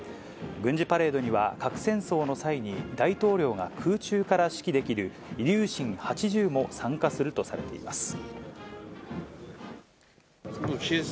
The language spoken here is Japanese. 軍事パレードには、核戦争の際に大統領が空中から指揮できる、イリューシン８０も参加するとされています。